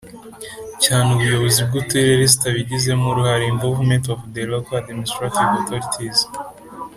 cyane ubuyobozi bw Uturere zitabigizemo uruhare involvement of the local administrative authorities